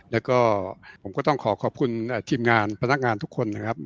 แล้วก็ผมก็ต้องขอขอบคุณทีมงานพนักงานทุกคนนะครับ